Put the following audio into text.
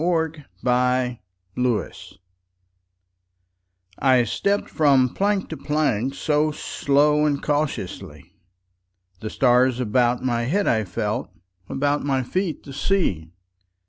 Part One: Life CXXXVI I STEPPED from plank to plankSo slow and cautiously; The stars about my head I felt, About my feet the sea.